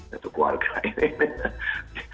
ya tuh keluarga ini